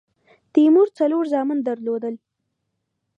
تیمور څلور زامن درلودل.